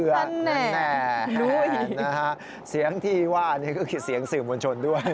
แน่ด้วยนะฮะเสียงที่ว่านี่ก็คือเสียงสื่อมวลชนด้วย